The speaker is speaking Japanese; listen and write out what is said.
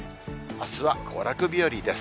あすは行楽日和です。